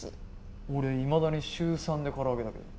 俺はいまだに週３で空揚げだけど。